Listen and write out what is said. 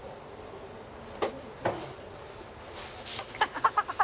「ハハハハ！」